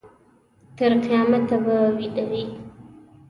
تر قیامته به ویده وي.